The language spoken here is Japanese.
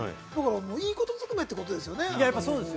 いいことづくめってことですね。